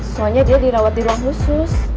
soalnya dia dirawat di ruang khusus